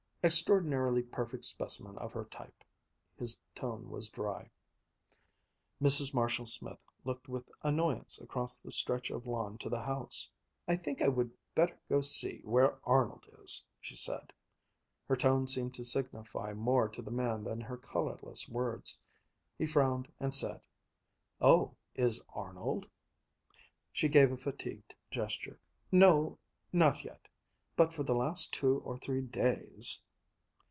Extraordinarily perfect specimen of her type." His tone was dry. Mrs. Marshall Smith looked with annoyance across the stretch of lawn to the house. "I think I would better go to see where Arnold is," she said. Her tone seemed to signify more to the man than her colorless words. He frowned and said, "Oh, is Arnold ...?" She gave a fatigued gesture. "No not yet but for the last two or three days